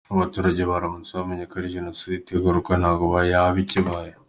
Abaturage baramutse bamenye ko ari Jenoside itegurwa ntago yaba ikibaye.